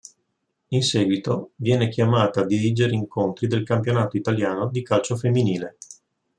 In seguito viene chiamata a dirigere incontri del campionato italiano di calcio femminile.